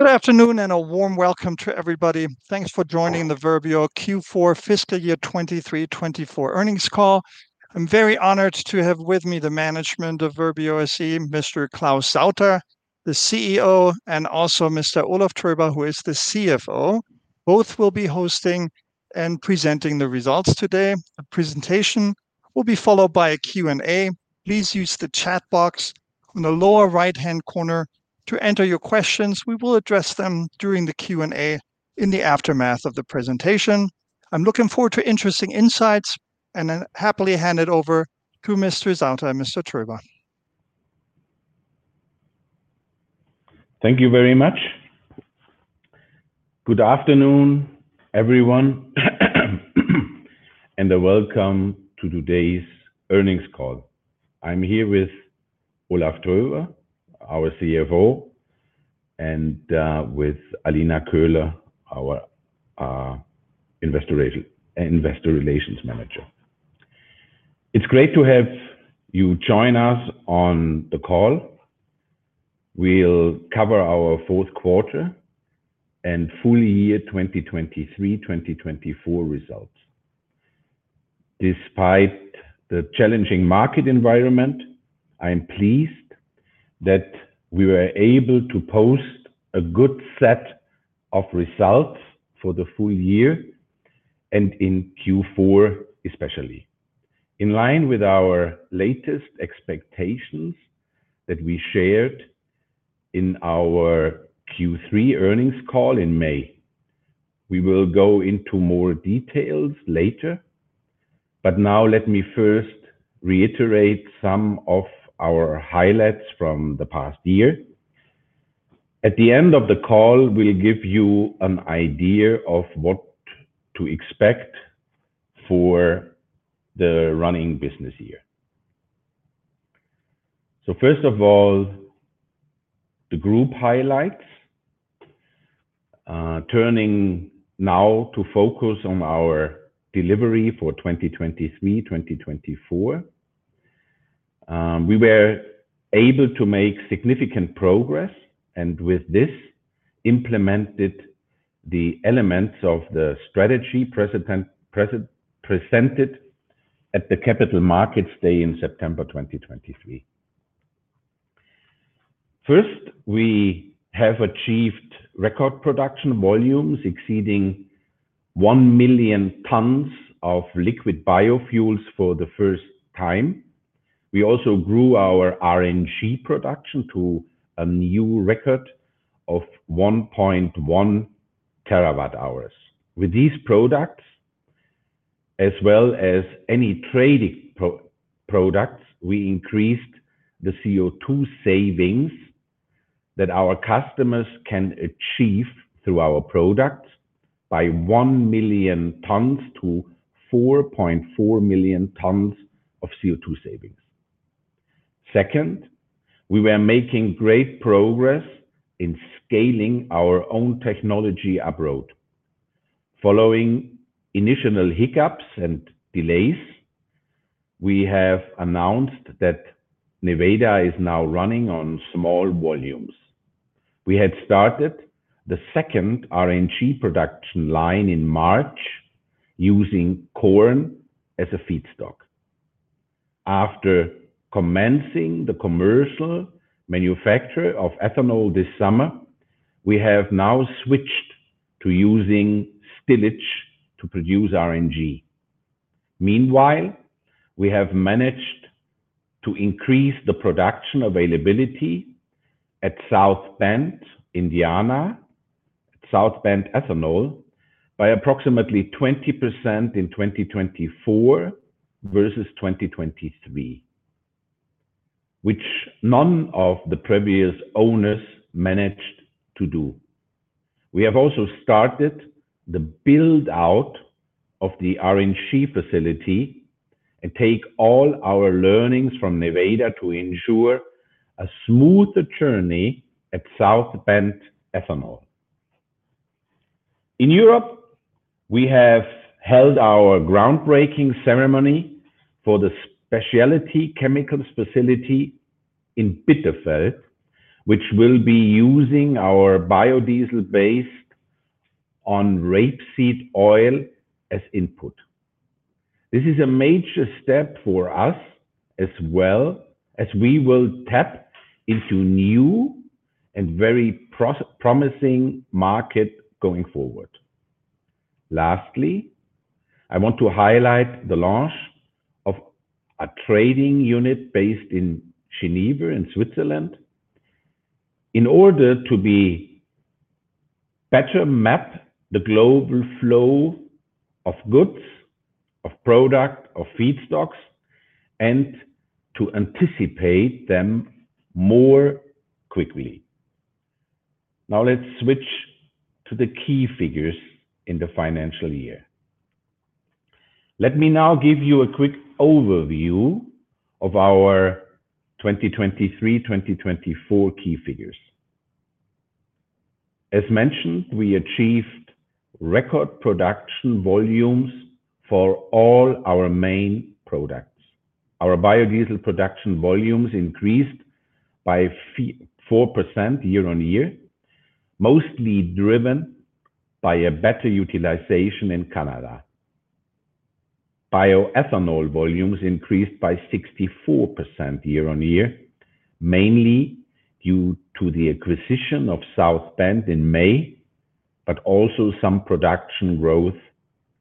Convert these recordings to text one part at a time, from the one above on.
Good afternoon and a warm welcome to everybody. Thanks for joining the Verbio Q4 fiscal year 2023, 2024 earnings call. I'm very honored to have with me the management of Verbio SE, Mr. Claus Sauter, the CEO, and also Mr. Olaf Tröber, who is the CFO. Both will be hosting and presenting the results today. The presentation will be followed by a Q&A. Please use the chat box on the lower right-hand corner to enter your questions. We will address them during the Q&A in the aftermath of the presentation. I'm looking forward to interesting insights, and then happily hand it over to Messrs. Sauter and Mr. Tröber. Thank you very much. Good afternoon, everyone, and welcome to today's earnings call. I'm here with Olaf Tröber, our CFO, and with Alina Köhler, our investor relations manager. It's great to have you join us on the call. We'll cover our fourth quarter and full year twenty twenty-three/twenty twenty-four results. Despite the challenging market environment, I am pleased that we were able to post a good set of results for the full year and in Q4, especially. In line with our latest expectations that we shared in our Q3 earnings call in May. We will go into more details later, but now let me first reiterate some of our highlights from the past year. At the end of the call, we'll give you an idea of what to expect for the running business year. So first of all, the group highlights. Turning now to focus on our delivery for 2023/2024. We were able to make significant progress, and with this, implemented the elements of the strategy presented at the Capital Markets Day in September 2023. First, we have achieved record production volumes exceeding 1 million tons of liquid biofuels for the first time. We also grew our RNG production to a new record of 1.1 terawatt hours. With these products, as well as any trading products, we increased the CO2 savings that our customers can achieve through our products by 1 million tons to 4.4 million tons of CO2 savings. Second, we were making great progress in scaling our own technology abroad. Following initial hiccups and delays, we have announced that Nevada is now running on small volumes. We had started the second RNG production line in March, using corn as a feedstock. After commencing the commercial manufacture of ethanol this summer, we have now switched to using stillage to produce RNG. Meanwhile, we have managed to increase the production availability at South Bend, Indiana, South Bend Ethanol, by approximately 20% in 2024 versus 2023, which none of the previous owners managed to do. We have also started the build-out of the RNG facility and take all our learnings from Nevada to ensure a smoother journey at South Bend Ethanol. In Europe, we have held our groundbreaking ceremony for the specialty chemicals facility in Bitterfeld, which will be using our biodiesel based on rapeseed oil as input. This is a major step for us, as well as we will tap into new and very promising market going forward. Lastly, I want to highlight the launch of a trading unit based in Geneva, in Switzerland, in order to better map the global flow of goods, of products, of feedstocks, and to anticipate them more quickly. Now, let's switch to the key figures in the financial year. Let me now give you a quick overview of our 2023/2024 key figures. As mentioned, we achieved record production volumes for all our main products. Our biodiesel production volumes increased by 4% year-on-year, mostly driven by a better utilization in Canada. Bioethanol volumes increased by 64% year-on-year, mainly due to the acquisition of South Bend in May, but also some production growth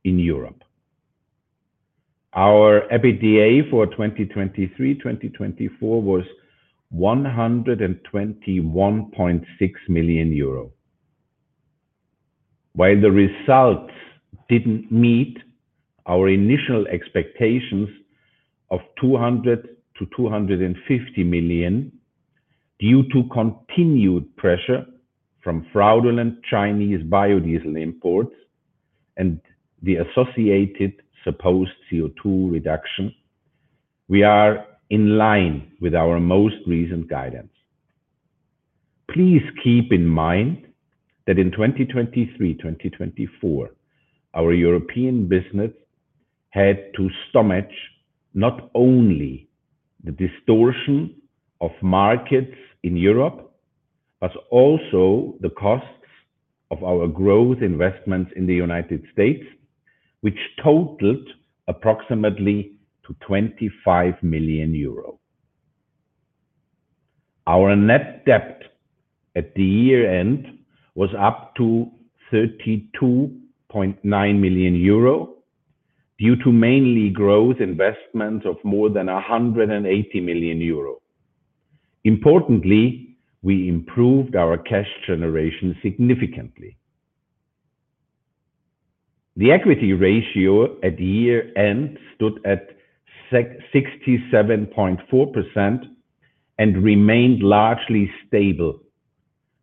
in Europe. Our EBITDA for 2023/2024 was EUR 121.6 million. While the results didn't meet our initial expectations of 200-250 million, due to continued pressure from fraudulent Chinese biodiesel imports and the associated supposed CO₂ reduction, we are in line with our most recent guidance. Please keep in mind that in 2023/2024, our European business had to stomach not only the distortion of markets in Europe, but also the costs of our growth investments in the United States, which totaled approximately 25 million euros. Our net debt at the year-end was up to 32.9 million euro, due to mainly growth investments of more than 180 million euro. Importantly, we improved our cash generation significantly. The equity ratio at year-end stood at 67.4% and remained largely stable.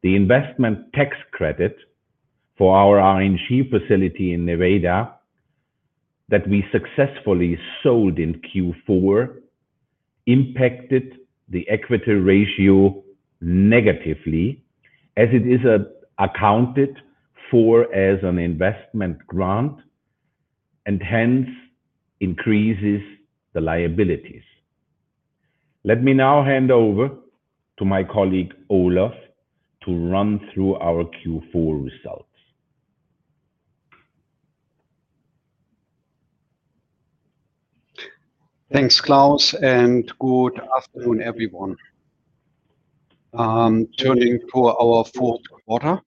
The investment tax credit for our RNG facility in Nevada, that we successfully sold in Q4, impacted the equity ratio negatively, as it is, accounted for as an investment grant and hence increases the liabilities. Let me now hand over to my colleague, Olaf, to run through our Q4 results. Thanks, Klaus, and good afternoon, everyone. Turning to our fourth quarter.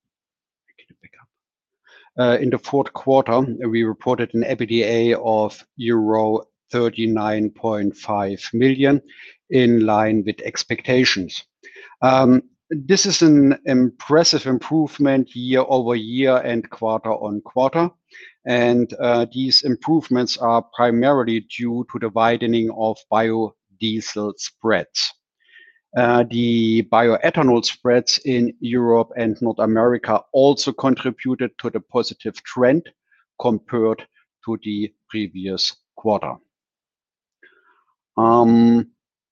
In the fourth quarter, we reported an EBITDA of euro 39.5 million, in line with expectations. This is an impressive improvement year-over-year and quarter-on-quarter, and these improvements are primarily due to the widening of biodiesel spreads. The bioethanol spreads in Europe and North America also contributed to the positive trend compared to the previous quarter.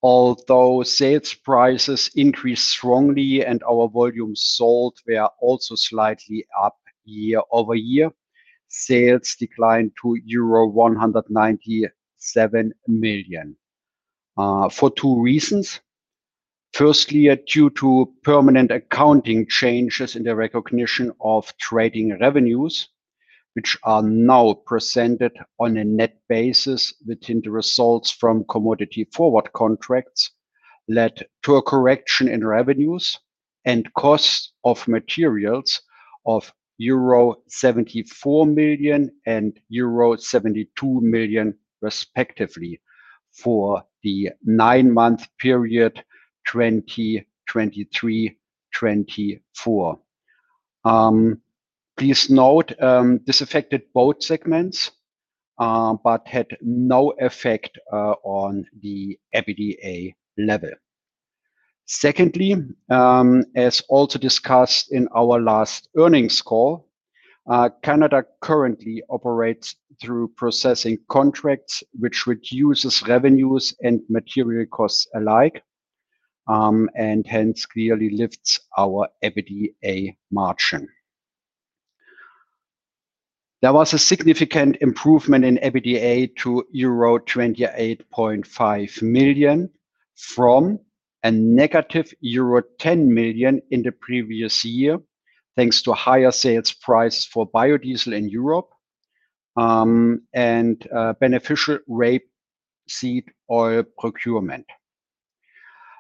Although sales prices increased strongly and our volumes sold were also slightly up year-over-year, sales declined to euro 197 million for two reasons. Firstly, due to permanent accounting changes in the recognition of trading revenues, which are now presented on a net basis within the results from commodity forward contracts, led to a correction in revenues and costs of materials of euro 74 million and euro 72 million, respectively, for the nine-month period, 2023/2024. Please note, this affected both segments, but had no effect, on the EBITDA level. Secondly, as also discussed in our last earnings call, Canada currently operates through processing contracts, which reduces revenues and material costs alike, and hence clearly lifts our EBITDA margin. There was a significant improvement in EBITDA to euro 28.5 million from a negative euro 10 million in the previous year, thanks to higher sales price for biodiesel in Europe, and, beneficial rapeseed oil procurement.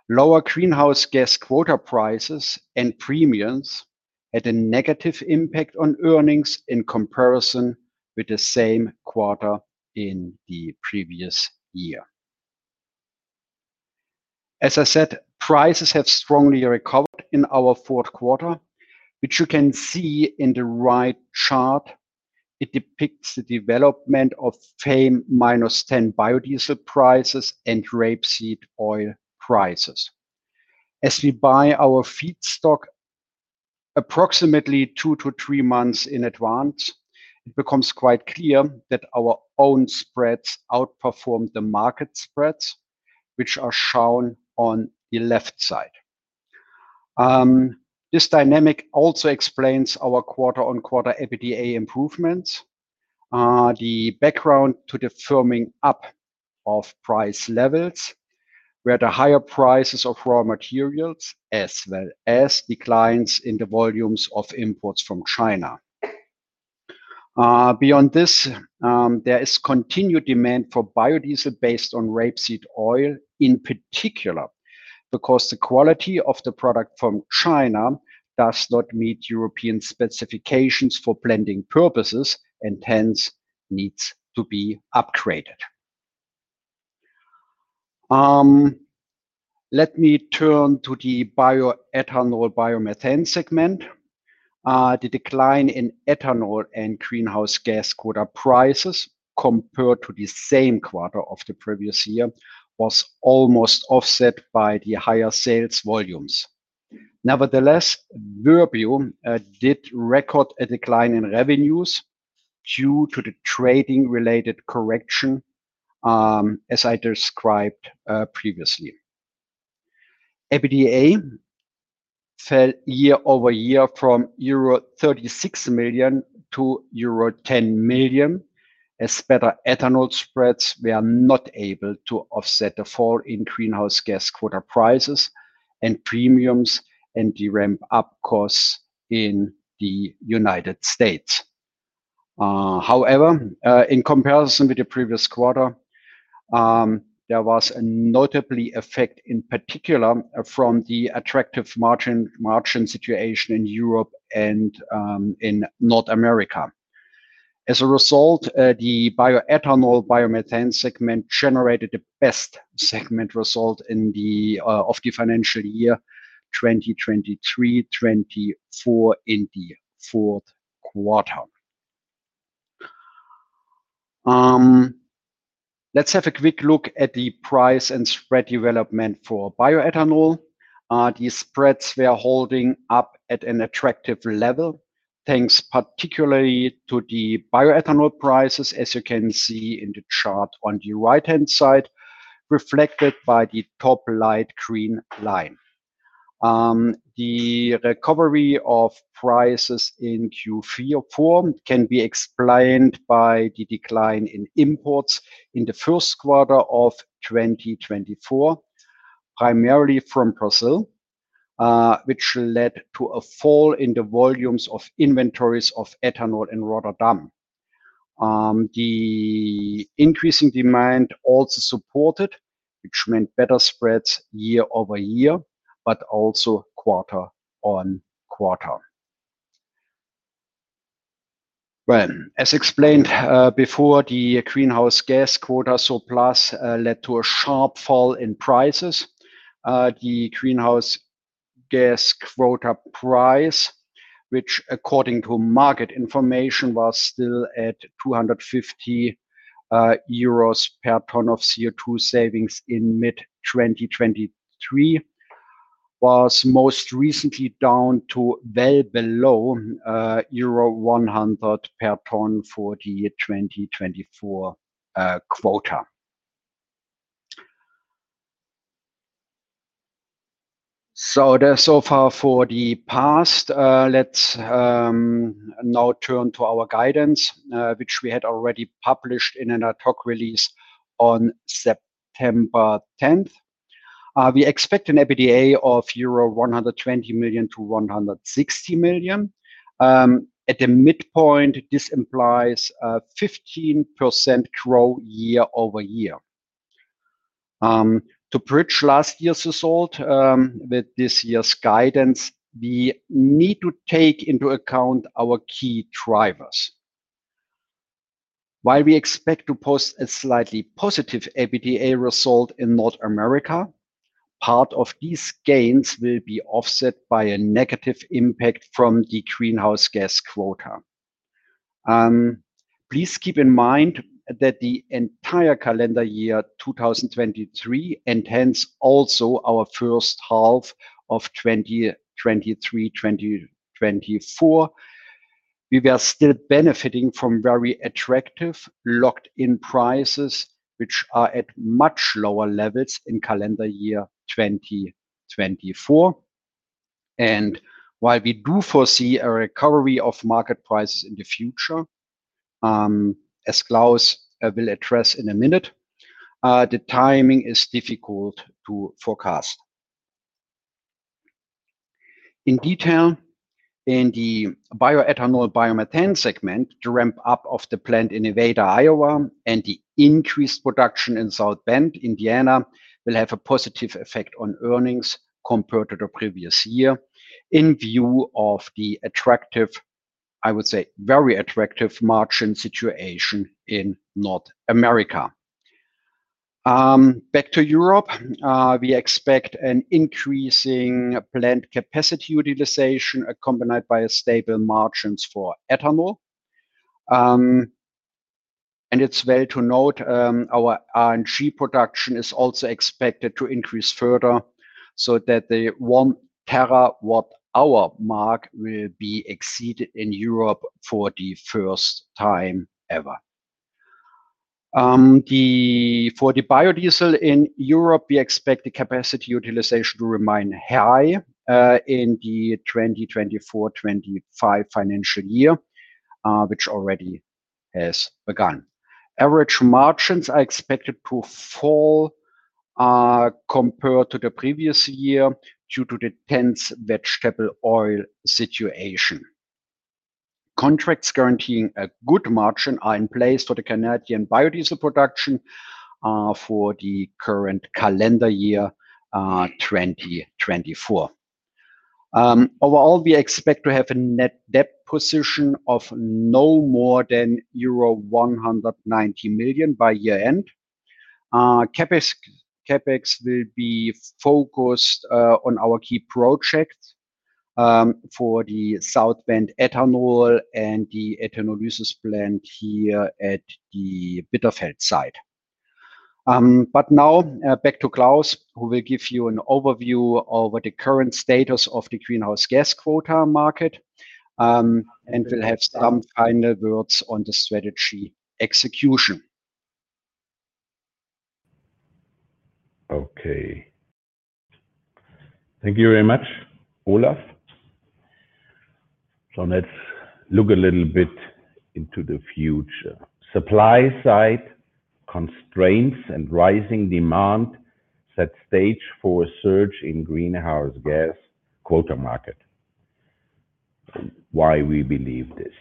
Lower greenhouse gas quota prices and premiums had a negative impact on earnings in comparison with the same quarter in the previous year. As I said, prices have strongly recovered in our fourth quarter, which you can see in the right chart. It depicts the development of FAME -10 biodiesel prices and rapeseed oil prices. As we buy our feedstock approximately two to three months in advance, it becomes quite clear that our own spreads outperform the market spreads, which are shown on the left side.... This dynamic also explains our quarter on quarter EBITDA improvements. The background to the firming up of price levels, where the higher prices of raw materials, as well as declines in the volumes of imports from China. Beyond this, there is continued demand for biodiesel based on rapeseed oil, in particular, because the quality of the product from China does not meet European specifications for blending purposes, and hence needs to be upgraded. Let me turn to the bioethanol, biomethane segment. The decline in ethanol and greenhouse gas quota prices compared to the same quarter of the previous year was almost offset by the higher sales volumes. Nevertheless, Verbio did record a decline in revenues due to the trading-related correction, as I described, previously. EBITDA fell year over year from euro 36 million to euro 10 million. As better ethanol spreads were not able to offset the fall in greenhouse gas quota prices and premiums, and the ramp-up costs in the United States. However, in comparison with the previous quarter, there was a notable effect, in particular, from the attractive margin situation in Europe and in North America. As a result, the bioethanol, biomethane segment generated the best segment result in the of the financial year, 2023-2024 in the fourth quarter. Let's have a quick look at the price and spread development for bioethanol. The spreads were holding up at an attractive level, thanks particularly to the bioethanol prices, as you can see in the chart on the right-hand side, reflected by the top light green line. The recovery of prices in Q3 or 4 can be explained by the decline in imports in the first quarter of 2024, primarily from Brazil, which led to a fall in the volumes of inventories of ethanol in Rotterdam. The increasing demand also supported, which meant better spreads year over year, but also quarter on quarter. As explained before, the greenhouse gas quota surplus led to a sharp fall in prices. The greenhouse gas quota price, which according to market information, was still at 250 euros per ton of CO₂ savings in mid-2023, was most recently down to well below euro 100 per ton for the 2024 quota. That's so far for the past. Let's now turn to our guidance, which we had already published in an ad hoc release on September tenth. We expect an EBITDA of euro 120 million to 160 million. At the midpoint, this implies a 15% growth year over year. To bridge last year's result with this year's guidance, we need to take into account our key drivers. While we expect to post a slightly positive EBITDA result in North America, part of these gains will be offset by a negative impact from the greenhouse gas quota. Please keep in mind that the entire calendar year two thousand twenty-three, and hence also our first half of twenty twenty-three, twenty twenty-four, we were still benefiting from very attractive locked-in prices, which are at much lower levels in calendar year twenty twenty-four. And while we do foresee a recovery of market prices in the future, as Klaus will address in a minute, the timing is difficult to forecast. In detail, in the bioethanol, biomethane segment, the ramp-up of the plant in Nevada, Iowa, and the increased production in South Bend, Indiana, will have a positive effect on earnings compared to the previous year, in view of the attractive, I would say, very attractive margin situation in North America. Back to Europe, we expect an increasing plant capacity utilization, accompanied by a stable margins for ethanol, and it's well to note, our RNG production is also expected to increase further, so that the one terawatt hour mark will be exceeded in Europe for the first time ever. For the biodiesel in Europe, we expect the capacity utilization to remain high in the twenty twenty-four, twenty twenty-five financial year, which already has begun. Average margins are expected to fall compared to the previous year, due to the tense vegetable oil situation. Contracts guaranteeing a good margin are in place for the Canadian biodiesel production, for the current calendar year, 2024. Overall, we expect to have a net debt position of no more than euro 190 million by year-end. CapEx will be focused on our key projects, for the South Bend Ethanol and the ethanol uses plant here at the Bitterfeld site. But now, back to Klaus, who will give you an overview over the current status of the greenhouse gas quota market, and will have some final words on the strategy execution. Okay. Thank you very much, Olaf. So let's look a little bit into the future. Supply side constraints and rising demand set stage for a surge in greenhouse gas quota market. Why we believe this?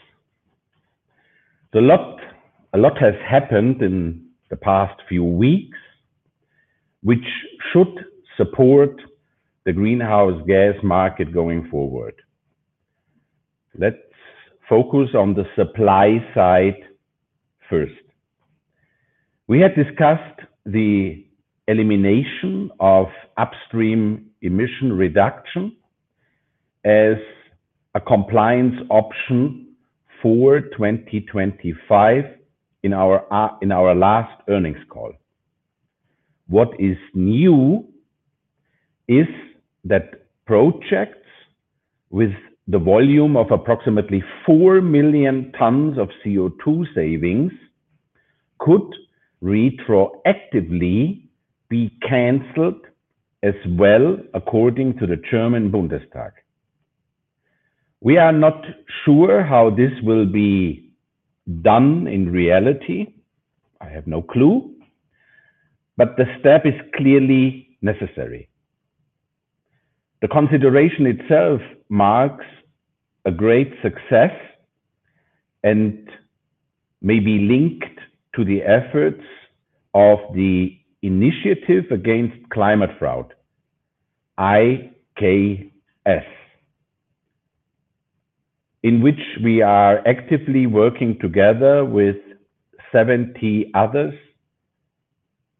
So a lot has happened in the past few weeks, which should support the greenhouse gas market going forward. Let's focus on the supply side first. We had discussed the elimination of upstream emission reduction as a compliance option for twenty twenty-five in our, in our last earnings call. What is new is that projects with the volume of approximately four million tons of CO2 savings could retroactively be canceled as well, according to the German Bundestag. We are not sure how this will be done in reality. I have no clue, but the step is clearly necessary. The consideration itself marks a great success and may be linked to the efforts of the Initiative Against Climate Fraud, IKS, in which we are actively working together with 70 others,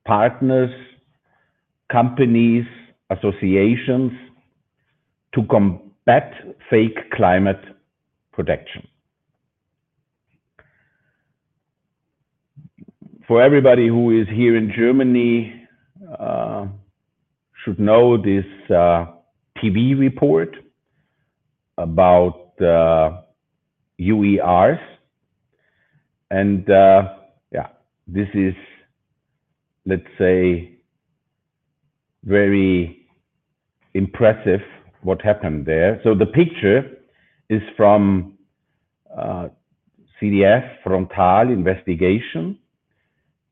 partners, companies, associations, to combat fake climate protection. For everybody who is here in Germany, should know this TV report about UERs. Yeah, this is, let's say, very impressive what happened there. The picture is from ZDF Frontal investigation.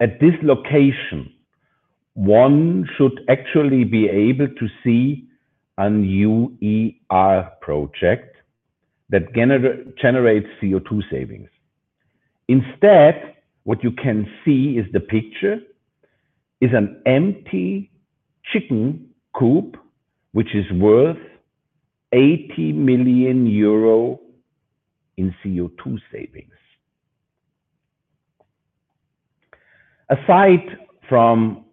At this location, one should actually be able to see a UER project that generates CO2 savings. Instead, what you can see is the picture, is an empty chicken coop, which is worth 80 million euro in CO2 savings. Aside from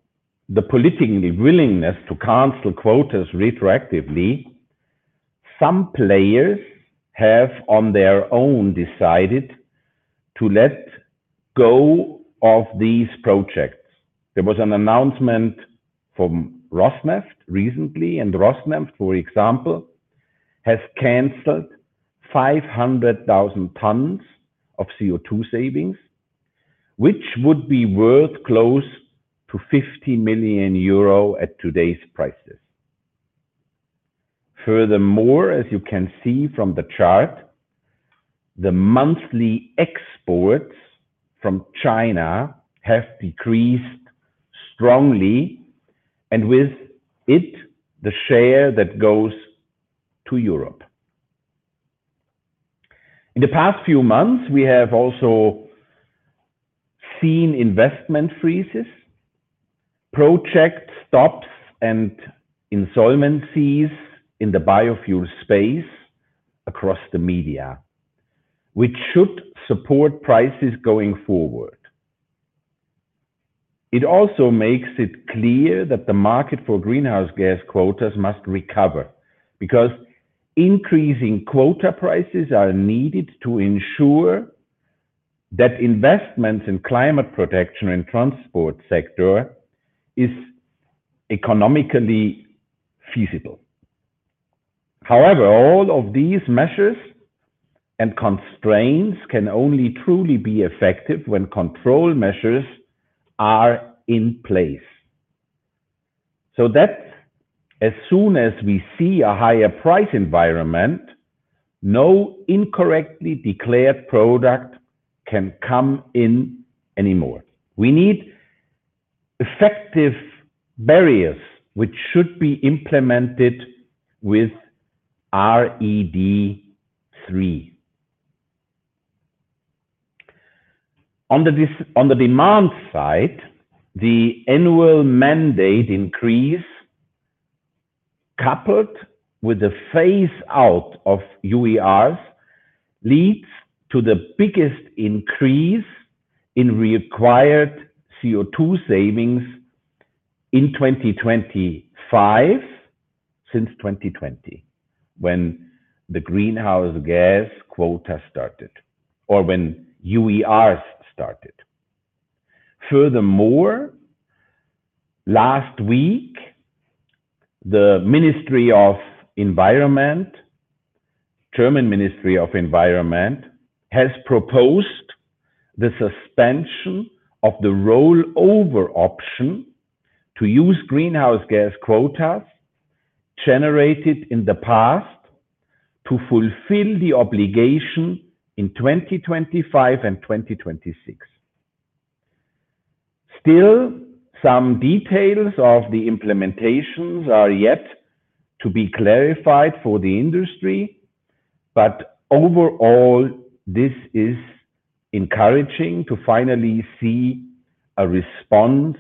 the political willingness to cancel quotas retroactively, some players have, on their own, decided to let go of these projects. There was an announcement from Rosneft recently, and Rosneft, for example, has canceled 500,000 tons of CO2 savings, which would be worth close to 50 million euro at today's prices. Furthermore, as you can see from the chart, the monthly exports from China have decreased strongly, and with it, the share that goes to Europe. In the past few months, we have also seen investment freezes, project stops, and insolvencies in the biofuel space across the media, which should support prices going forward. It also makes it clear that the market for greenhouse gas quotas must recover, because increasing quota prices are needed to ensure that investments in climate protection and transport sector is economically feasible. However, all of these measures and constraints can only truly be effective when control measures are in place, so that as soon as we see a higher price environment, no incorrectly declared product can come in anymore. We need effective barriers, which should be implemented with RED III. On the demand side, the annual mandate increase, coupled with the phase out of UERs, leads to the biggest increase in required CO2 savings in twenty twenty-five since twenty twenty, when the greenhouse gas quota started or when UERs started. Furthermore, last week, the Ministry of Environment, German Ministry of Environment, has proposed the suspension of the rollover option to use greenhouse gas quotas generated in the past to fulfill the obligation in twenty twenty-five and twenty twenty-six. Still, some details of the implementations are yet to be clarified for the industry, but overall, this is encouraging to finally see a response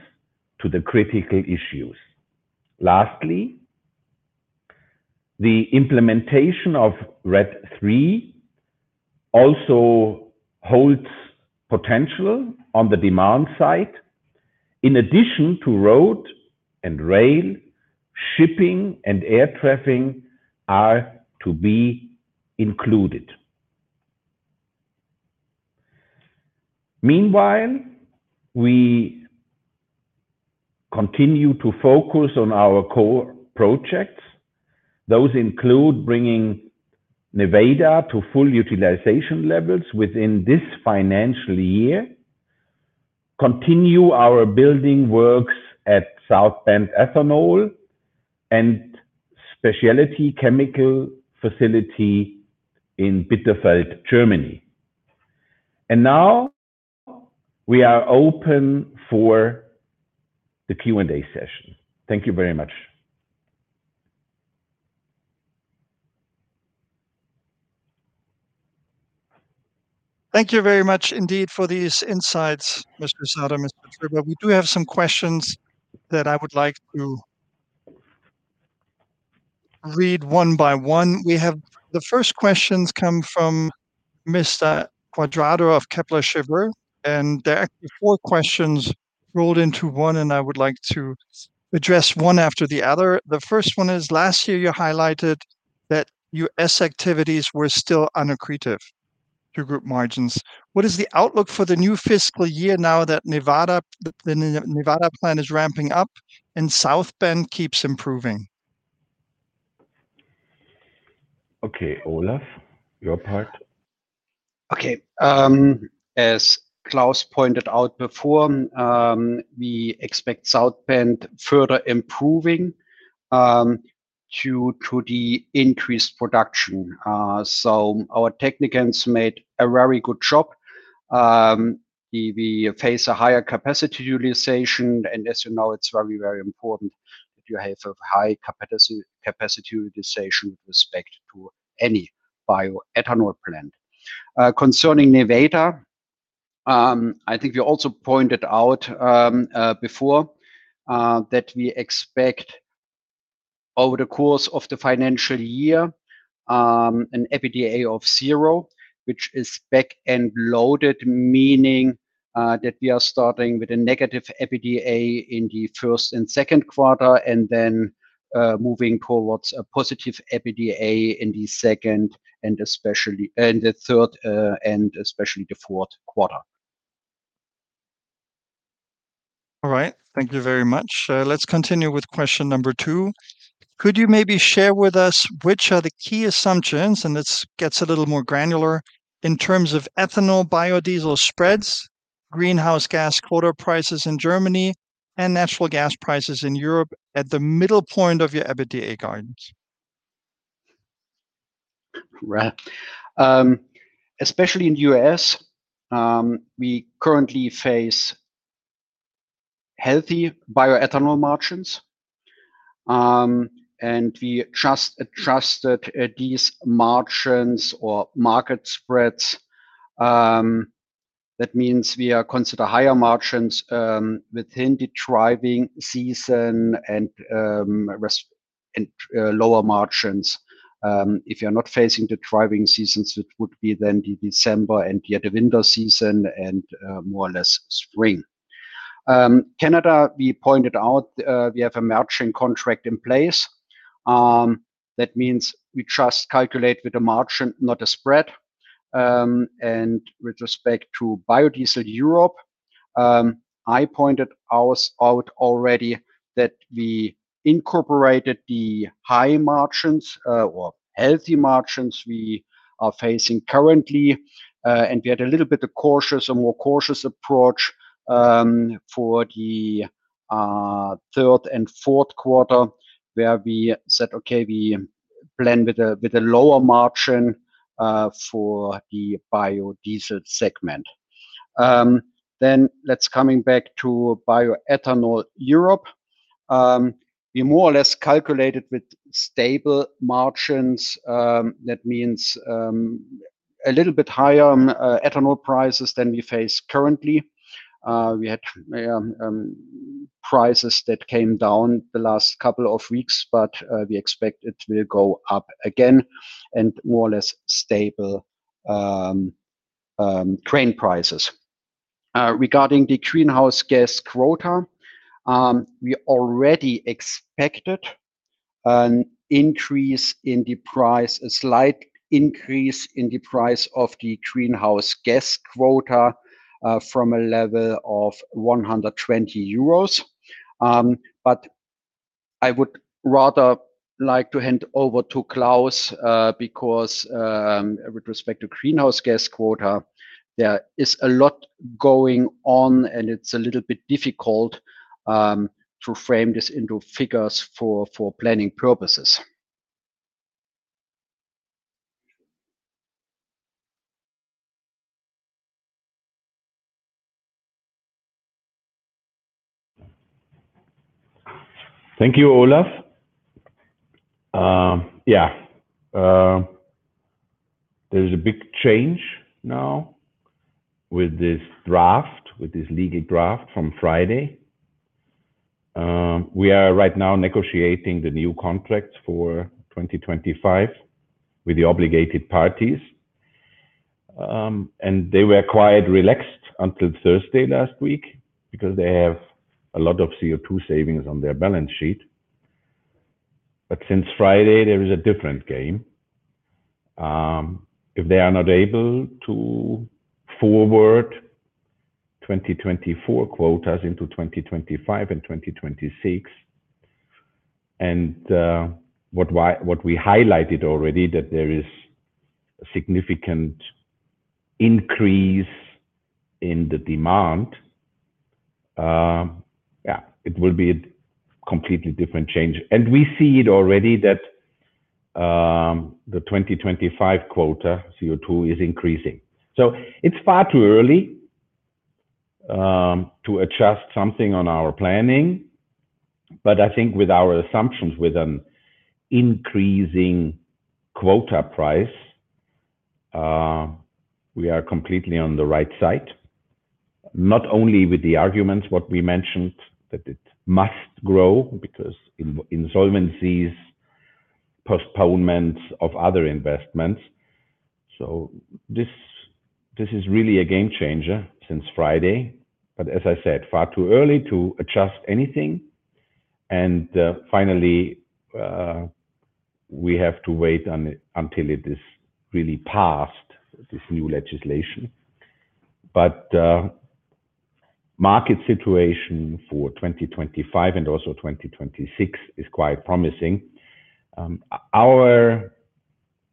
to the critical issues. Lastly, the implementation of RED III also holds potential on the demand side. In addition to road and rail, shipping and air traffic are to be included. Meanwhile, we continue to focus on our core projects. Those include bringing Nevada to full utilization levels within this financial year, continue our building works at South Bend Ethanol, and specialty chemical facility in Bitterfeld, Germany. And now, we are open for the Q&A session. Thank you very much. Thank you very much indeed for these insights, Mr. Sauter, Mr. Tröber. We do have some questions that I would like to read one by one. We have... The first questions come from Mr. Quadrado of Kepler Cheuvreux, and there are actually four questions rolled into one, and I would like to address one after the other. The first one is: last year, you highlighted that US activities were still unaccretive to group margins. What is the outlook for the new fiscal year now that Nevada, the Nevada plant is ramping up and South Bend keeps improving? Okay, Olaf, your part. Okay, as Klaus pointed out before, we expect South Bend further improving due to the increased production. So our technicians made a very good job. We face a higher capacity utilization, and as you know, it's very, very important that you have a high capacity utilization with respect to any bioethanol plant. Concerning Nevada, I think you also pointed out before that we expect over the course of the financial year an EBITDA of zero, which is back-end loaded, meaning that we are starting with a negative EBITDA in the first and second quarter, and then moving towards a positive EBITDA in the second, and especially the third, and especially the fourth quarter. All right. Thank you very much. Let's continue with question number two. Could you maybe share with us which are the key assumptions, and this gets a little more granular, in terms of ethanol, biodiesel spreads, greenhouse gas quota prices in Germany, and natural gas prices in Europe at the middle point of your EBITDA guidance? Right. Especially in U.S., we currently face healthy bioethanol margins, and we trust that these margins or market spreads, that means we are consider higher margins within the driving season and lower margins if you're not facing the driving seasons, which would be then the December and the winter season and more or less spring. Canada, we pointed out, we have a merchant contract in place. That means we just calculate with a margin, not a spread. With respect to biodiesel Europe, I pointed ours out already that we incorporated the high margins or healthy margins we are facing currently. We had a more cautious approach for the third and fourth quarter, where we said, "Okay, we plan with a lower margin for the biodiesel segment." Then coming back to bioethanol Europe. We more or less calculated with stable margins, that means a little bit higher ethanol prices than we face currently. We had prices that came down the last couple of weeks, but we expect it will go up again, and more or less stable grain prices. Regarding the greenhouse gas quota, we already expected an increase in the price, a slight increase in the price of the greenhouse gas quota, from a level of 120 euros. But I would rather like to hand over to Klaus, because with respect to greenhouse gas quota, there is a lot going on, and it's a little bit difficult to frame this into figures for planning purposes. Thank you, Olaf. Yeah, there is a big change now with this draft, with this legal draft from Friday. We are right now negotiating the new contracts for 2025 with the obligated parties, and they were quite relaxed until Thursday last week, because they have a lot of CO2 savings on their balance sheet, but since Friday, there is a different game. If they are not able to forward 2024 quotas into 2025 and 2026, and what we highlighted already, that there is a significant increase in the demand, yeah, it will be a completely different change, and we see it already that the 2025 quota CO2 is increasing. So it's far too early to adjust something on our planning, but I think with our assumptions, with an increasing quota price, we are completely on the right side. Not only with the arguments what we mentioned, that it must grow because insolvencies, postponements of other investments. So this is really a game changer since Friday, but as I said, far too early to adjust anything. And finally, we have to wait on it until it is really passed, this new legislation. But market situation for twenty twenty-five and also twenty twenty-six is quite promising. Our,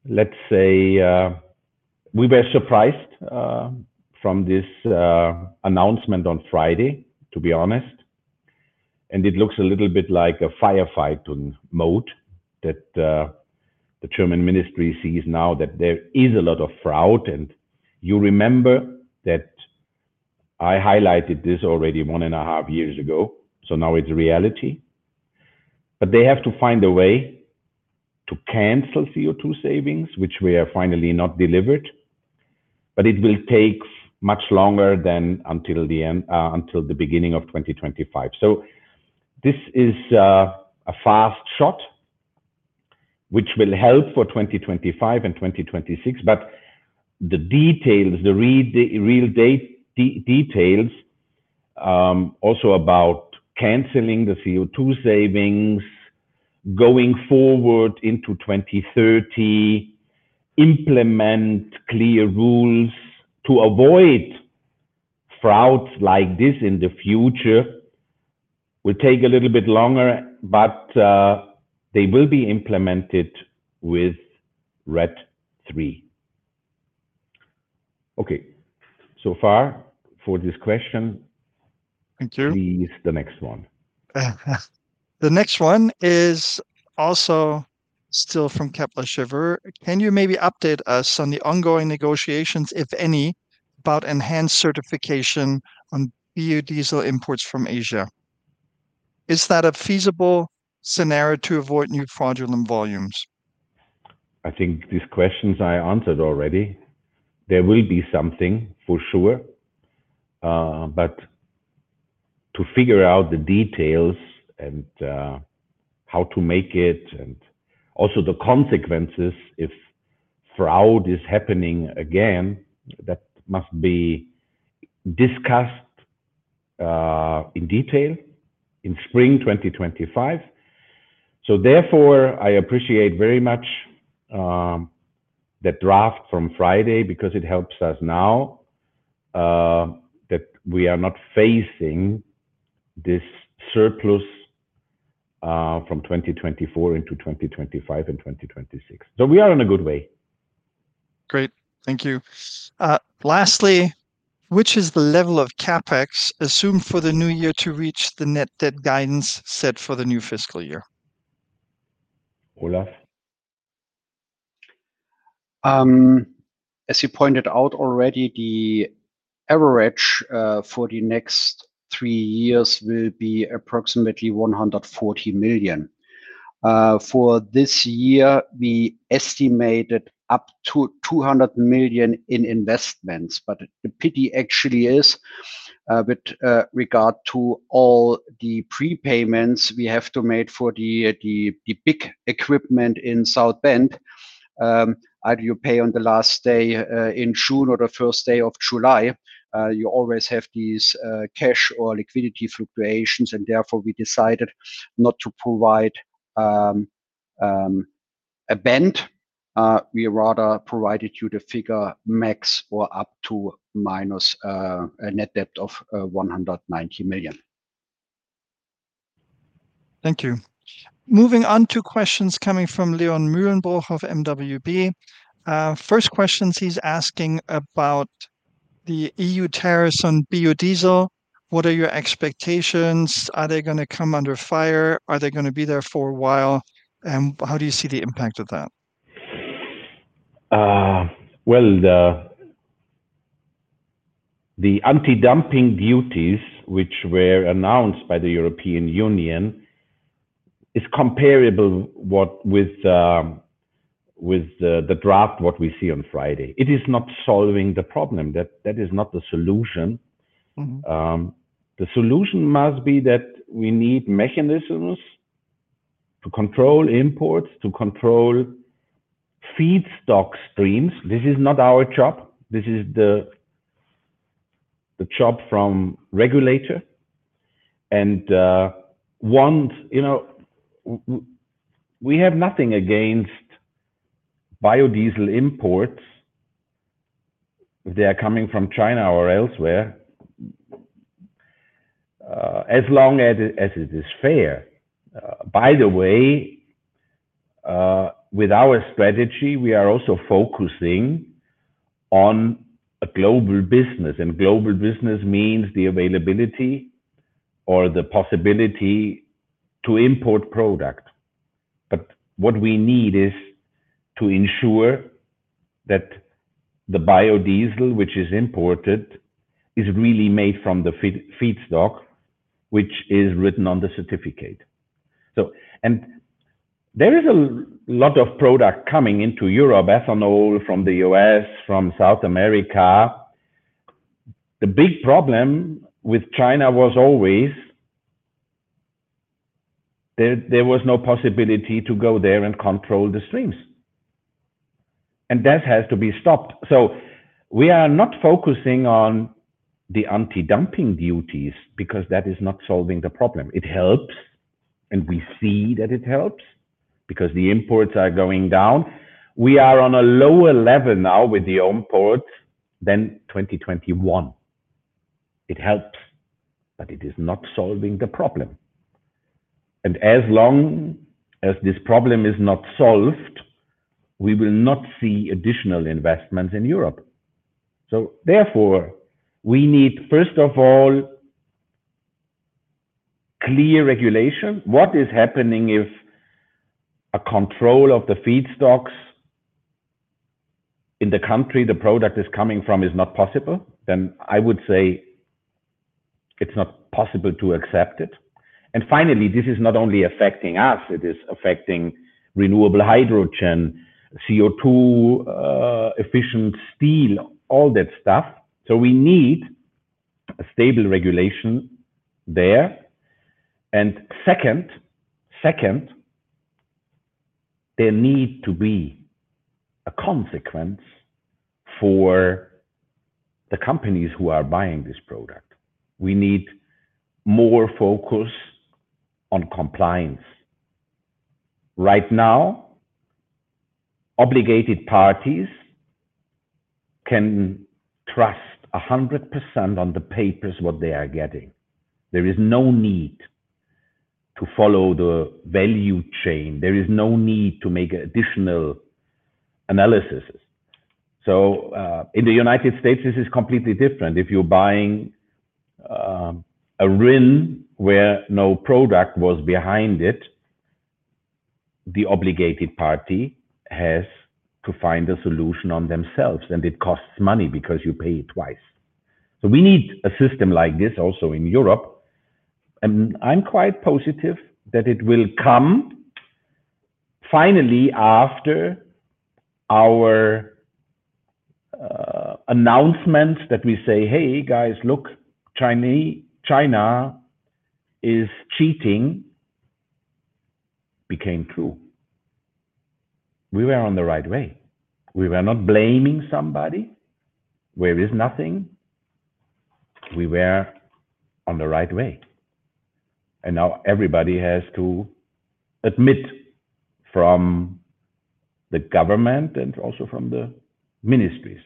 let's say, we were surprised from this announcement on Friday, to be honest, and it looks a little bit like a firefighting mode, that the German ministry sees now that there is a lot of fraud. And you remember that I highlighted this already one and a half years ago, so now it's reality. But they have to find a way to cancel CO2 savings, which were finally not delivered, but it will take much longer than until the end, until the beginning of twenty twenty-five. So this is a fast shot, which will help for twenty twenty-five and twenty twenty-six. But the details, the real details, also about canceling the CO2 savings, going forward into twenty thirty, implement clear rules to avoid frauds like this in the future, will take a little bit longer, but they will be implemented with RED III. Okay. So far for this question. Thank you… please, the next one. The next one is also still from Kepler Cheuvreux. Can you maybe update us on the ongoing negotiations, if any, about enhanced certification on biodiesel imports from Asia? Is that a feasible scenario to avoid new fraudulent volumes? I think these questions I answered already. There will be something for sure, but to figure out the details and, how to make it, and also the consequences if fraud is happening again, that must be discussed, in detail in spring twenty twenty-five. So therefore, I appreciate very much, the draft from Friday because it helps us now, that we are not facing this surplus, from twenty twenty-four into twenty twenty-five and twenty twenty-six. So we are in a good way. Great. Thank you. Lastly, which is the level of CapEx assumed for the new year to reach the net debt guidance set for the new fiscal year? Olaf? As you pointed out already, the average for the next three years will be approximately 140 million. For this year, we estimated up to 200 million in investments, but the pity actually is, with regard to all the prepayments we have to make for the big equipment in South Bend, either you pay on the last day in June or the first day of July. You always have these cash or liquidity fluctuations, and therefore, we decided not to provide a band. We rather provided you the figure max or up to minus a net debt of 190 million. Thank you. Moving on to questions coming from Leon Mühlenbrock of MWB. First questions he's asking about the EU tariffs on biodiesel. What are your expectations? Are they gonna come under fire? Are they gonna be there for a while, and how do you see the impact of that? The anti-dumping duties, which were announced by the European Union, is comparable with the draft, what we see on Friday. It is not solving the problem. That is not the solution. Mm-hmm. The solution must be that we need mechanisms to control imports, to control feedstock streams. This is not our job. This is the job from regulator. And, you know, we have nothing against biodiesel imports if they are coming from China or elsewhere, as long as it is fair. By the way, with our strategy, we are also focusing on a global business, and global business means the availability or the possibility to import product. But what we need is to ensure that the biodiesel, which is imported, is really made from the feedstock, which is written on the certificate. So, and there is a lot of product coming into Europe, ethanol from the U.S., from South America. The big problem with China was always there, there was no possibility to go there and control the streams, and that has to be stopped, so we are not focusing on the anti-dumping duties because that is not solving the problem. It helps, and we see that it helps because the imports are going down. We are on a lower level now with the imports than 2021. It helps, but it is not solving the problem, and as long as this problem is not solved, we will not see additional investments in Europe, so therefore, we need, first of all, clear regulation. What is happening if a control of the feedstocks in the country the product is coming from is not possible? Then I would say it's not possible to accept it. And finally, this is not only affecting us. It is affecting renewable hydrogen, CO2, efficient steel, all that stuff. So we need a stable regulation there. Second, there need to be a consequence for the companies who are buying this product. We need more focus on compliance. Right now, obligated parties can trust 100% on the papers, what they are getting. There is no need to follow the value chain. There is no need to make additional analysis. So, in the United States, this is completely different. If you're buying a RIN where no product was behind it, the obligated party has to find a solution on themselves, and it costs money because you pay twice. So we need a system like this also in Europe, and I'm quite positive that it will come finally, after our announcement that we say, "Hey, guys, look, China is cheating," became true. We were on the right way. We were not blaming somebody where is nothing. We were on the right way, and now everybody has to admit from the government and also from the ministries.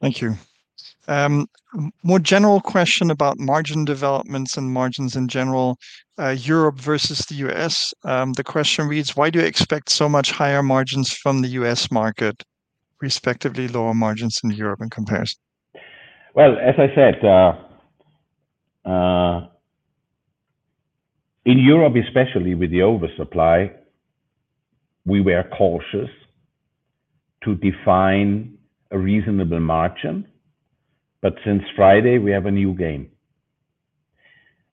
Thank you. More general question about margin developments and margins in general, Europe versus the US. The question reads: Why do you expect so much higher margins from the US market, respectively, lower margins in Europe in comparison? As I said, in Europe, especially with the oversupply, we were cautious to define a reasonable margin, but since Friday, we have a new game.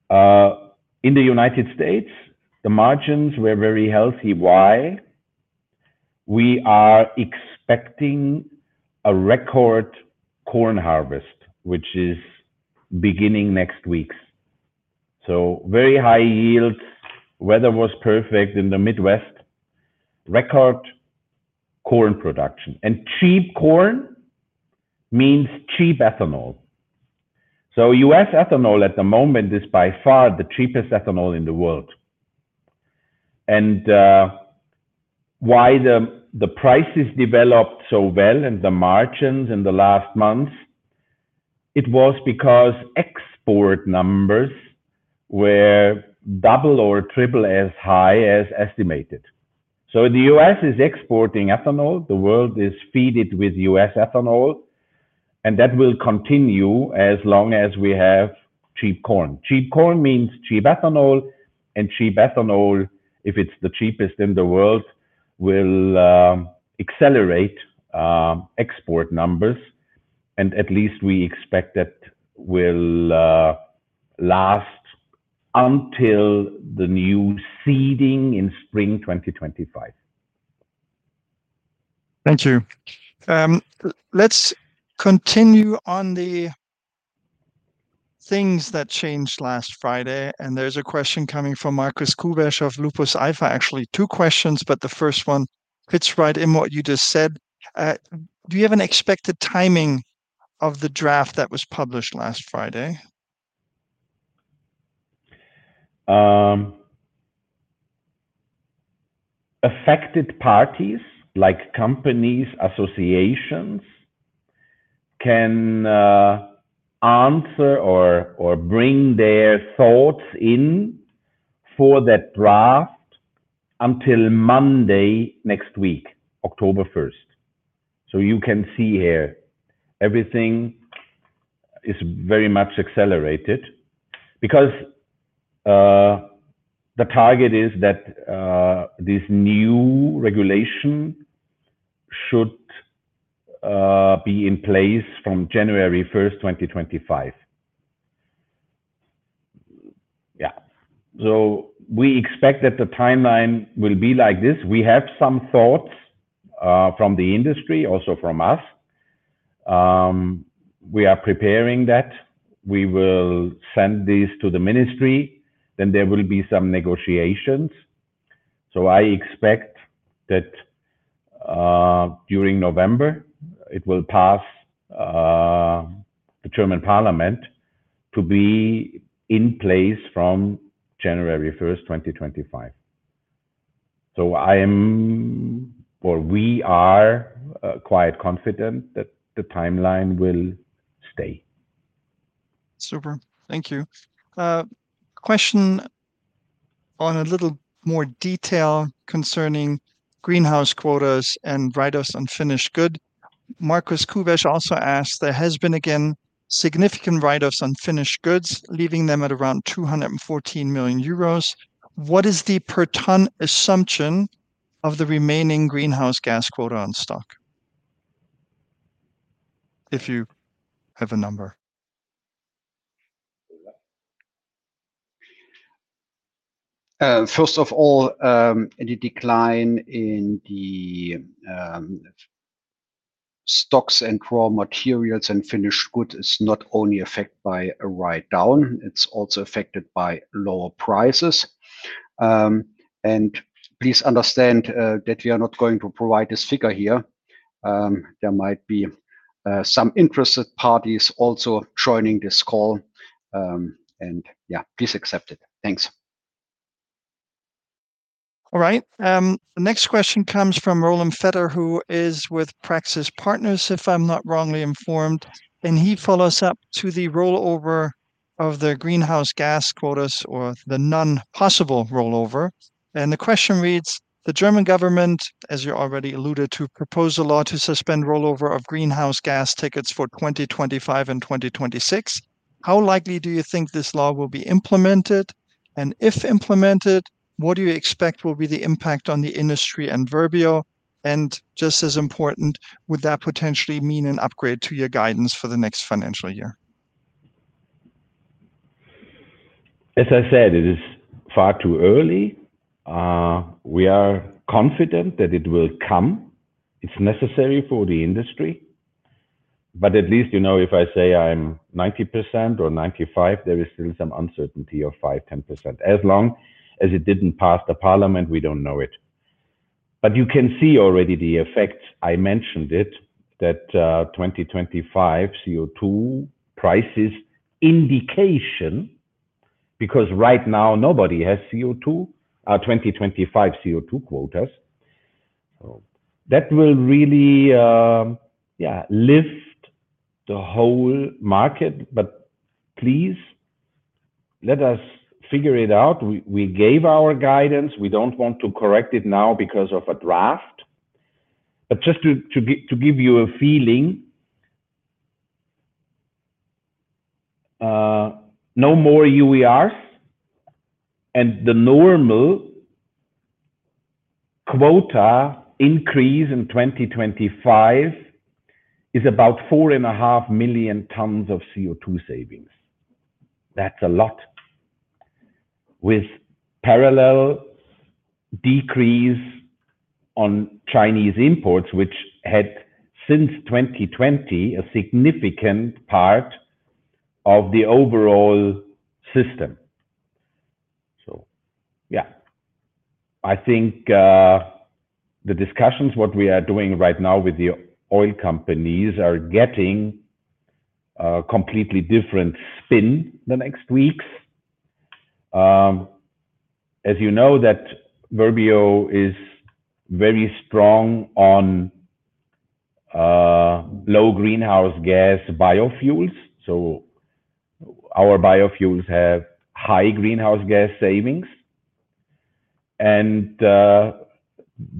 In the United States, the margins were very healthy. Why? We are expecting a record corn harvest, which is beginning next week so very high yields. Weather was perfect in the Midwest. Record corn production, and cheap corn means cheap ethanol, so US ethanol at the moment is by far the cheapest ethanol in the world, and why the prices developed so well and the margins in the last months, it was because export numbers were double or triple as high as estimated, so the US is exporting ethanol. The world is fed with US ethanol, and that will continue as long as we have cheap corn. Cheap corn means cheap ethanol, and cheap ethanol, if it's the cheapest in the world, will accelerate export numbers. And at least we expect that will last until the new seeding in spring 2025. Thank you. Let's continue on the things that changed last Friday, and there's a question coming from Marcus Kubsch of Lupus alpha. Actually, two questions, but the first one fits right in what you just said. Do you have an expected timing of the draft that was published last Friday? Affected parties, like companies, associations, can answer or bring their thoughts in for that draft until Monday next week, October 1st so you can see here, everything is very much accelerated because the target is that this new regulation should be in place from January 1st, 2025. Yeah so we expect that the timeline will be like this. We have some thoughts from the industry, also from us. We are preparing that. We will send this to the ministry, then there will be some negotiations so I expect that during November, it will pass the German parliament to be in place from January 1st, 2025 so I am, or we are, quite confident that the timeline will stay. Super. Thank you. Question on a little more detail concerning greenhouse quotas and write-offs on finished goods. Marcus Kubsch also asked, there has been, again, significant write-offs on finished goods, leaving them at around 214 million euros. What is the per ton assumption of the remaining greenhouse gas quota on stock? If you have a number. First of all, any decline in the stocks and raw materials and finished goods is not only affected by a write-down, it's also affected by lower prices. And please understand that we are not going to provide this figure here. There might be some interested parties also joining this call. And yeah, please accept it. Thanks. All right. The next question comes from Roland Vetter, who is with Praxis Partners, if I'm not wrongly informed, and he follows up to the rollover of the greenhouse gas quotas or the non-possible rollover. And the question reads: The German government, as you already alluded to, proposed a law to suspend rollover of greenhouse gas quotas for 2025 and 2026. How likely do you think this law will be implemented? And if implemented, what do you expect will be the impact on the industry and Verbio? And just as important, would that potentially mean an upgrade to your guidance for the next financial year? As I said, it is far too early. We are confident that it will come. It's necessary for the industry... but at least, you know, if I say I'm 90% or 95%, there is still some uncertainty of 5%, 10%. As long as it didn't pass the parliament, we don't know it. But you can see already the effects. I mentioned it, that, 2025 CO2 prices indication, because right now nobody has CO2, 2025 CO2 quotas. So that will really lift the whole market. But please, let us figure it out. We gave our guidance. We don't want to correct it now because of a draft. But just to give you a feeling, no more UERs, and the normal quota increase in 2025 is about 4.5 million tons of CO2 savings. That's a lot. With parallel decrease on Chinese imports, which had, since 2020, a significant part of the overall system. So yeah, I think, the discussions, what we are doing right now with the oil companies are getting a completely different spin the next weeks. As you know, that Verbio is very strong on, low greenhouse gas biofuels. So our biofuels have high greenhouse gas savings, and,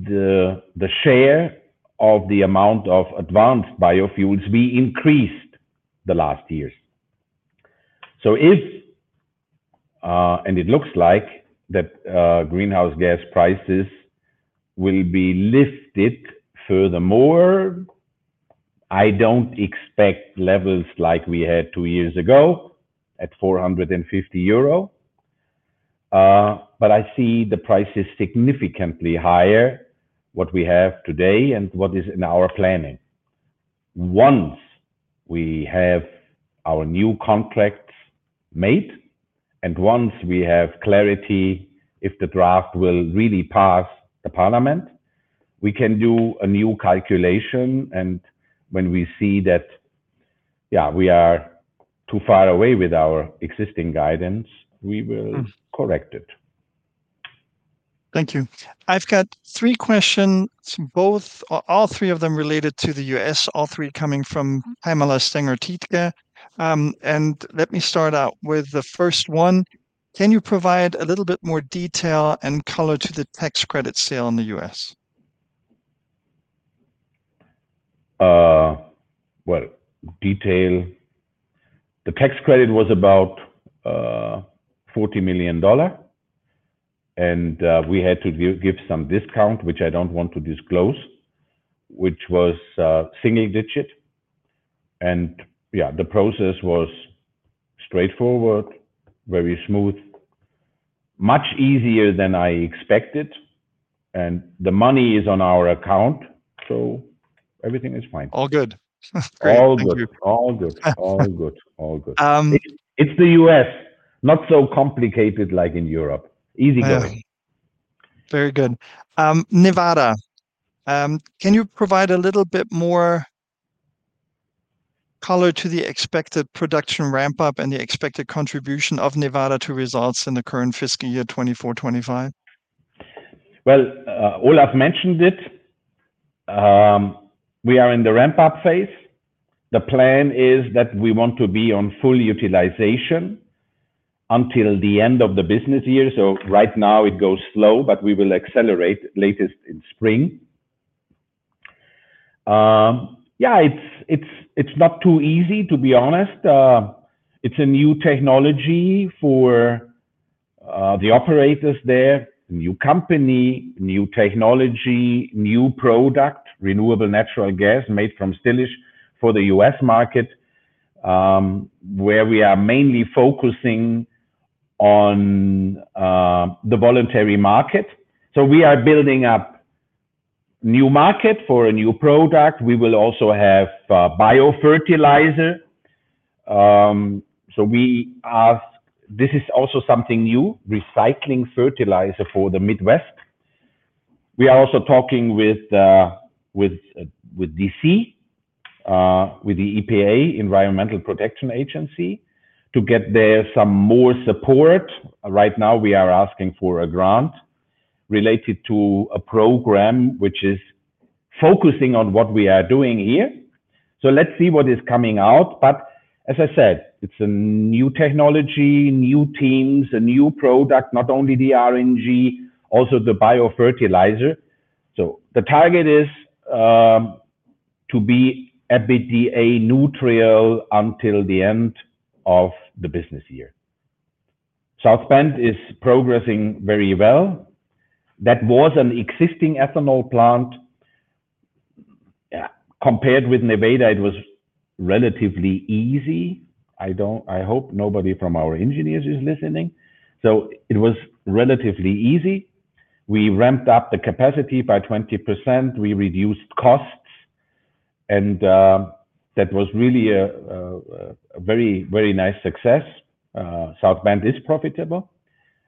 the share of the amount of advanced biofuels, we increased the last years. So if, and it looks like that, greenhouse gas prices will be lifted furthermore, I don't expect levels like we had two years ago at 450 euro, but I see the price is significantly higher, what we have today and what is in our planning. Once we have our new contracts made, and once we have clarity if the draft will really pass the parliament, we can do a new calculation, and when we see that, yeah, we are too far away with our existing guidance, we will correct it. Thank you. I've got three questions, both... all three of them related to the US, all three coming from Haimala Stangertitka, and let me start out with the first one. Can you provide a little bit more detail and color to the tax credit sale in the US? The tax credit was about $40 million, and we had to give some discount, which I don't want to disclose, which was single digit. Yeah, the process was straightforward, very smooth, much easier than I expected, and the money is on our account, so everything is fine. All good. Great. Thank you. All good. Um- It's the U.S., not so complicated like in Europe. Easy going. Very good. Nevada, can you provide a little bit more color to the expected production ramp-up and the expected contribution of Nevada to results in the current fiscal year twenty-four, twenty-five? Olaf mentioned it. We are in the ramp-up phase. The plan is that we want to be on full utilization until the end of the business year, so right now it goes slow, but we will accelerate latest in spring. Yeah, it's not too easy, to be honest. It's a new technology for the operators there, new company, new technology, new product, renewable natural gas made from Stillage for the US market, where we are mainly focusing on the voluntary market, so we are building up new market for a new product. We will also have biofertilizer. This is also something new, recycling fertilizer for the Midwest. We are also talking with DC, with the EPA, Environmental Protection Agency, to get there some more support. Right now, we are asking for a grant related to a program which is focusing on what we are doing here. So let's see what is coming out. But as I said, it's a new technology, new teams, a new product, not only the RNG, also the biofertilizer. So the target is to be EBITDA neutral until the end of the business year. South Bend is progressing very well. That was an existing ethanol plant. Yeah, compared with Nevada, it was relatively easy. I hope nobody from our engineers is listening. So it was relatively easy. We ramped up the capacity by 20%, we reduced costs, and that was really a very, very nice success. South Bend is profitable.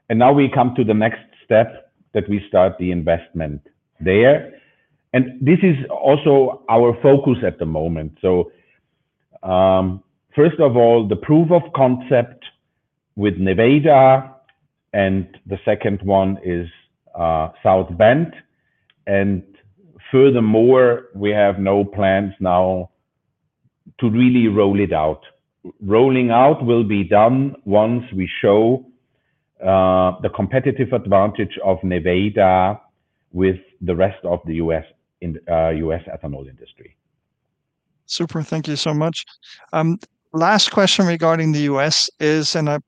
And now we come to the next step, that we start the investment there. And this is also our focus at the moment. First of all, the proof of concept with Nevada, and the second one is South Bend. Furthermore, we have no plans now to really roll it out. Rolling out will be done once we show the competitive advantage of Nevada with the rest of the U.S. in U.S. ethanol industry. Super. Thank you so much. Last question regarding the U.S. is, and I,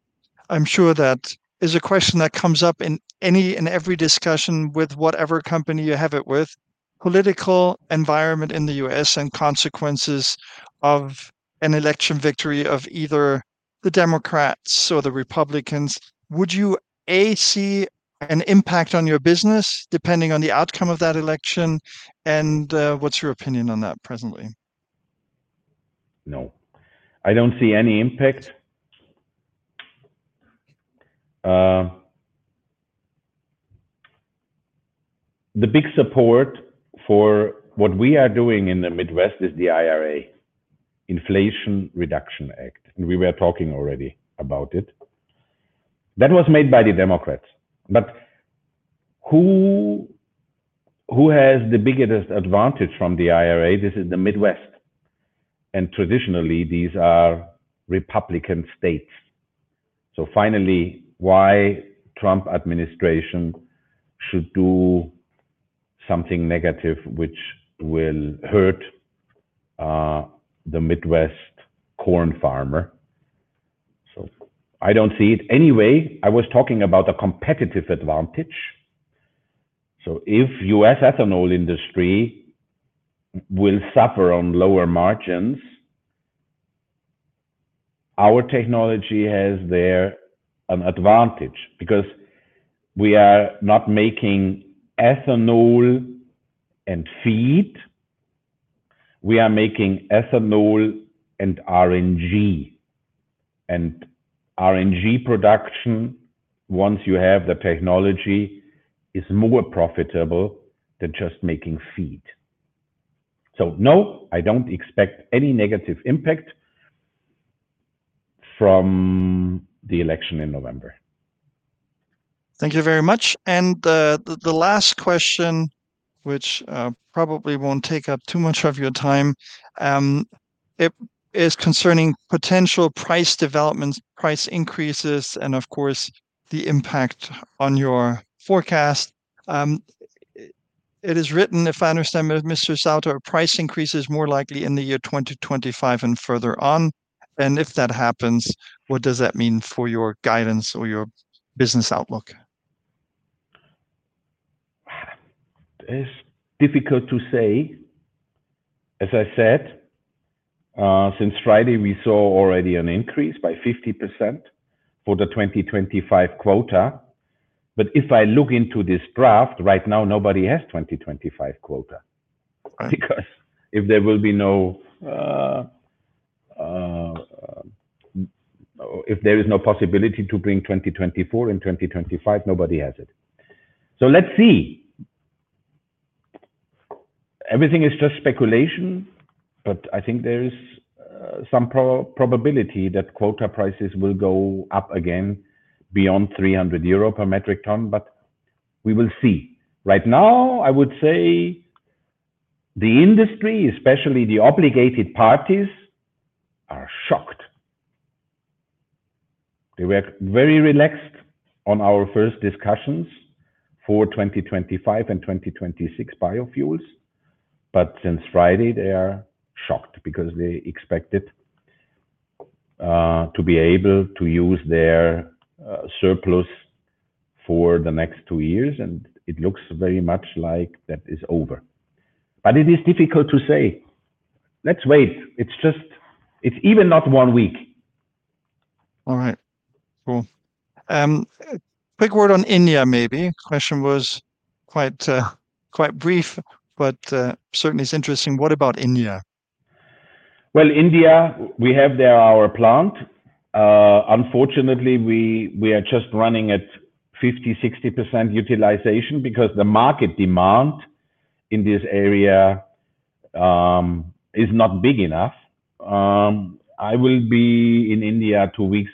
I'm sure that is a question that comes up in any and every discussion with whatever company you have it with: political environment in the U.S. and consequences of an election victory of either the Democrats or the Republicans, would you, A, see an impact on your business depending on the outcome of that election? And, what's your opinion on that presently? No. I don't see any impact. The big support for what we are doing in the Midwest is the IRA, Inflation Reduction Act, and we were talking already about it. That was made by the Democrats, but who, who has the biggest advantage from the IRA? This is the Midwest, and traditionally, these are Republican states, so finally, why Trump administration should do something negative which will hurt the Midwest corn farmer? I don't see it. Anyway, I was talking about a competitive advantage, so if U.S. ethanol industry will suffer on lower margins, our technology has there an advantage because we are not making ethanol and feed, we are making ethanol and RNG. And RNG production, once you have the technology, is more profitable than just making feed, so no, I don't expect any negative impact from the election in November. Thank you very much. And the last question, which probably won't take up too much of your time, it is concerning potential price developments, price increases, and of course, the impact on your forecast. It is written, if I understand, Mr. Sauter, price increase is more likely in the year twenty twenty-five and further on, and if that happens, what does that mean for your guidance or your business outlook? It's difficult to say. As I said, since Friday, we saw already an increase by 50% for the twenty twenty-five quota. But if I look into this draft, right now, nobody has twenty twenty-five quota. Because if there will be no, if there is no possibility to bring twenty twenty-four and twenty twenty-five, nobody has it. So let's see. Everything is just speculation, but I think there is some probability that quota prices will go up again beyond 300 euro per metric ton, but we will see. Right now, I would say the industry, especially the obligated parties, are shocked. They were very relaxed on our first discussions for 2025 and 2026 biofuels, but since Friday, they are shocked because they expected to be able to use their surplus for the next two years, and it looks very much like that is over. But it is difficult to say. Let's wait. It's just. It's even not one week. All right. Cool. Quick word on India, maybe. Question was quite brief, but certainly is interesting. What about India? India, we have there our plant. Unfortunately, we are just running at 50-60% utilization because the market demand in this area is not big enough. I will be in India in two weeks,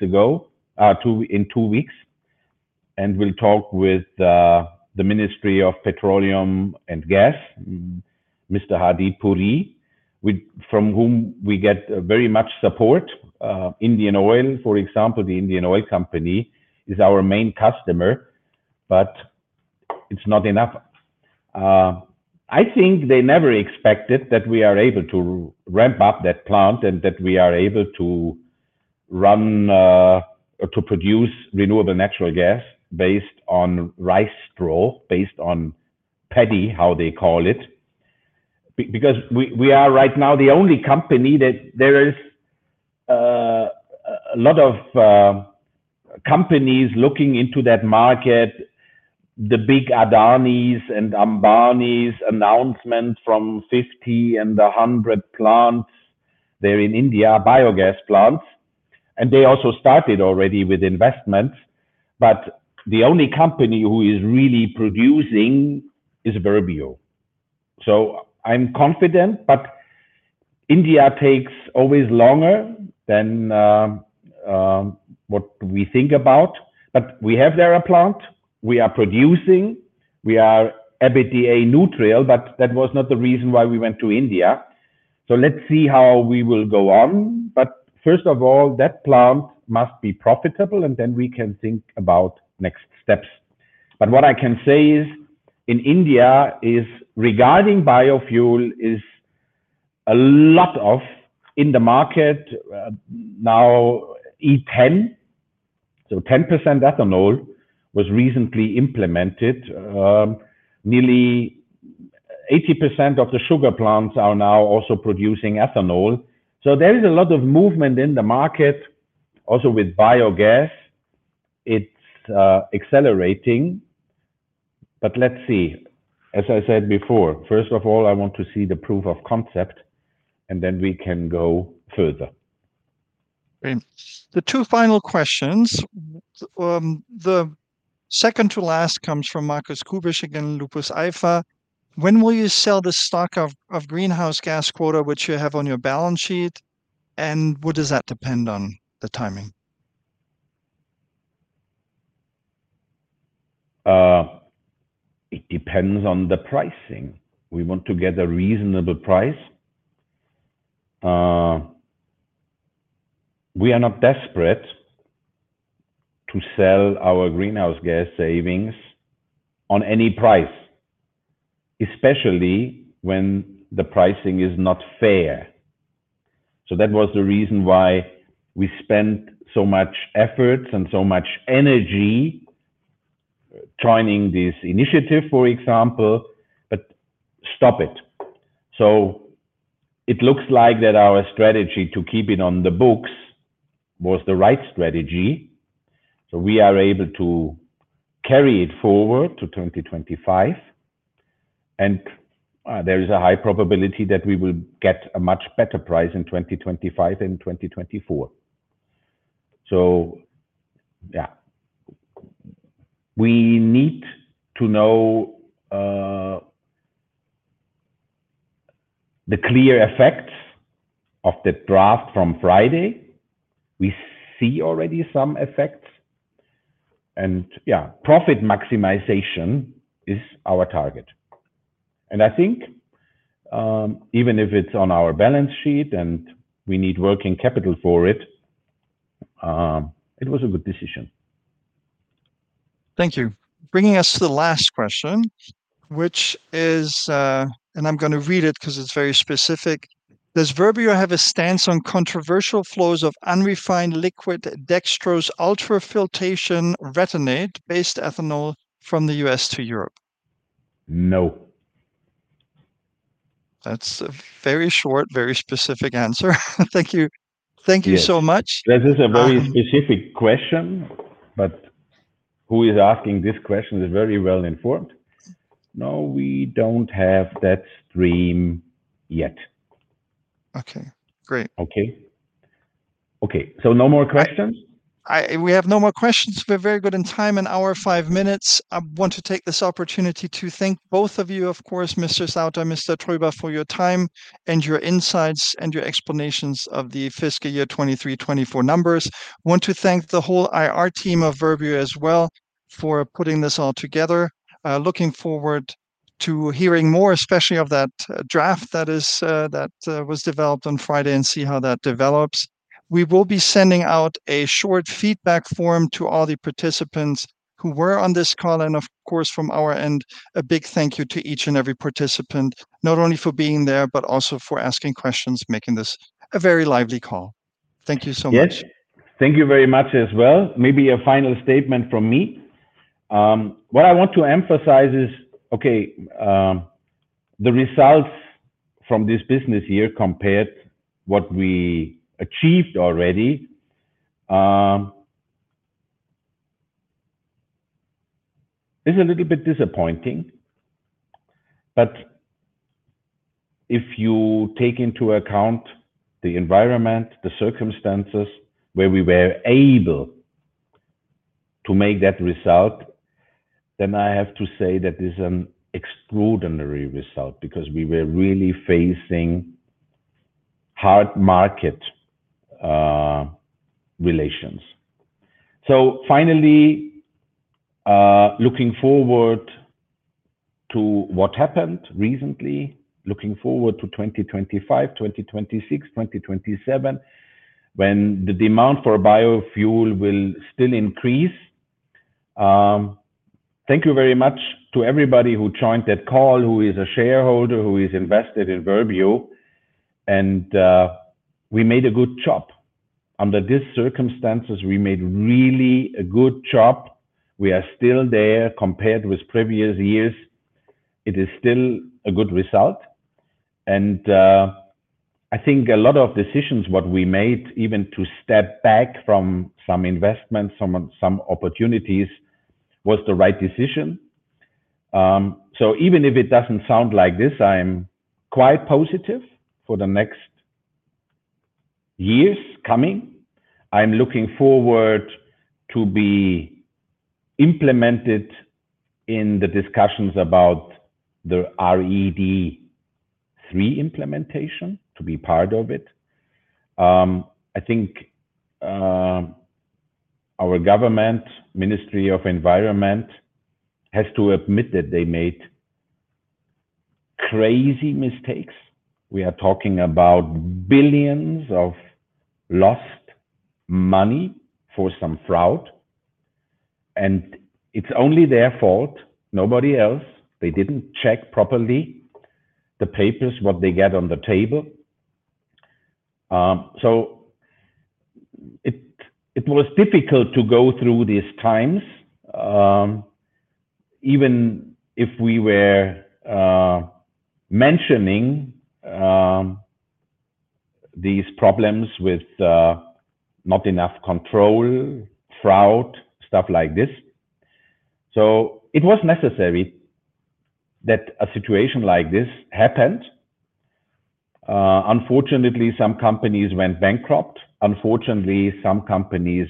and will talk with the Ministry of Petroleum and Gas, Mr. Hardeep Puri, with, from whom we get very much support. Indian Oil, for example, the Indian Oil Company, is our main customer, but it's not enough. I think they never expected that we are able to ramp up that plant and that we are able to run or to produce renewable natural gas based on rice straw, based on paddy, how they call it. Because we are right now the only company that there is. A lot of companies looking into that market, the big Adanis and Ambanis announcement from 50 and 100 plants there in India, biogas plants, and they also started already with investments. But the only company who is really producing is Verbio. So I'm confident, but India takes always longer than what we think about. But we have there a plant, we are producing, we are EBITDA neutral, but that was not the reason why we went to India. So let's see how we will go on. But first of all, that plant must be profitable, and then we can think about next steps. But what I can say is, in India is, regarding biofuel, is a lot of in the market, now E10, so 10% ethanol, was recently implemented. Nearly 80% of the sugar plants are now also producing ethanol. So there is a lot of movement in the market. Also, with biogas, it's accelerating. But let's see. As I said before, first of all, I want to see the proof of concept, and then we can go further. Great. The two final questions. The second to last comes from Marcus Kubsch again, Lupus alpha: When will you sell the stock of greenhouse gas quota, which you have on your balance sheet, and what does that depend on the timing? It depends on the pricing. We want to get a reasonable price. We are not desperate to sell our greenhouse gas savings on any price, especially when the pricing is not fair. So that was the reason why we spent so much efforts and so much energy joining this initiative, for example, Initiative Klimabetrug Stoppen. So it looks like that our strategy to keep it on the books was the right strategy, so we are able to carry it forward to twenty twenty-five, and there is a high probability that we will get a much better price in twenty twenty-five than twenty twenty-four. So yeah, we need to know the clear effects of the draft from Friday. We see already some effects. And, yeah, profit maximization is our target. I think, even if it's on our balance sheet and we need working capital for it, it was a good decision. Thank you. Bringing us to the last question, which is, and I'm gonna read it 'cause it's very specific: Does Verbio have a stance on controversial flows of unrefined liquid dextrose, ultrafiltration retentate-based ethanol from the U.S. to Europe? No. That's a very short, very specific answer. Thank you. Yes. Thank you so much. This is a very specific question, but who is asking this question is very well informed. No, we don't have that stream yet. Okay, great. Okay. Okay, so no more questions? We have no more questions. We're very good in time, an hour, five minutes. I want to take this opportunity to thank both of you, of course, Mr. Sauter, Mr. Tröger, for your time and your insights and your explanations of the fiscal year twenty-three, twenty-four numbers. I want to thank the whole IR team of Verbio as well, for putting this all together. Looking forward to hearing more, especially of that draft that was developed on Friday, and see how that develops. We will be sending out a short feedback form to all the participants who were on this call, and of course, from our end, a big thank you to each and every participant, not only for being there, but also for asking questions, making this a very lively call. Thank you so much. Yes, thank you very much as well. Maybe a final statement from me. What I want to emphasize is, okay, the results from this business year compared what we achieved already, is a little bit disappointing. But if you take into account the environment, the circumstances where we were able to make that result, then I have to say that is an extraordinary result, because we were really facing hard market, relations. So finally, looking forward to what happened recently, looking forward to twenty twenty-five, twenty twenty-six, twenty twenty-seven, when the demand for biofuel will still increase. Thank you very much to everybody who joined that call, who is a shareholder, who is invested in Verbio, and, we made a good job. Under these circumstances, we made really a good job. We are still there compared with previous years. It is still a good result. And, I think a lot of decisions what we made, even to step back from some investments, some opportunities, was the right decision. So even if it doesn't sound like this, I'm quite positive for the next years coming. I'm looking forward to be implemented in the discussions about the RED III implementation, to be part of it. I think, our government, Ministry of Environment, has to admit that they made crazy mistakes. We are talking about billions of lost money for some fraud, and it's only their fault, nobody else. They didn't check properly the papers, what they get on the table. So it was difficult to go through these times, even if we were mentioning these problems with not enough control, fraud, stuff like this. It was necessary that a situation like this happened. Unfortunately, some companies went bankrupt. Unfortunately, some companies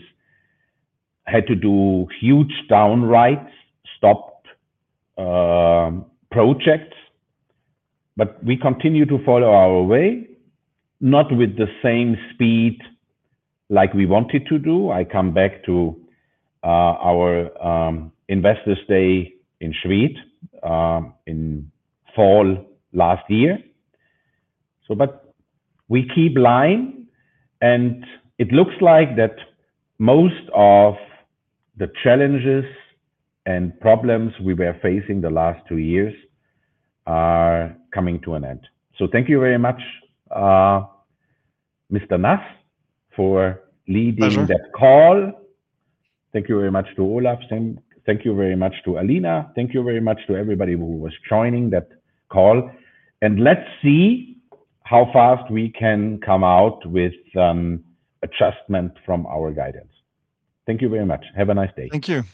had to do huge write-downs, stopped projects. But we continue to follow our way, not with the same speed like we wanted to do. I come back to our investors day in Schwedt in fall last year. But we keep line, and it looks like that most of the challenges and problems we were facing the last two years are coming to an end. Thank you very much, Mr. Nass, for leading- Pleasure... that call. Thank you very much to Olaf, thank you very much to Alina. Thank you very much to everybody who was joining that call, and let's see how fast we can come out with some adjustment from our guidance. Thank you very much. Have a nice day. Thank you.